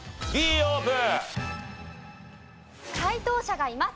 オープン！